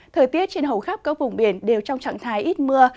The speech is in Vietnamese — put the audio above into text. thời tiết trên hầu khắp các vùng biển đều trong trạng thái ít mưa